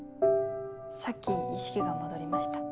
さっき意識が戻りました。